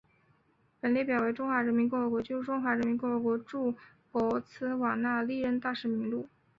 本列表为中华民国及中华人民共和国驻博茨瓦纳历任大使名录。